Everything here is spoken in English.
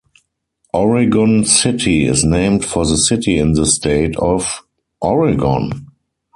"Oregon City" is named for the city in the state of Oregon.